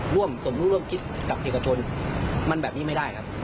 ร่วมสมรู้ร่วมคิดกับเอกชนมันแบบนี้ไม่ได้ครับ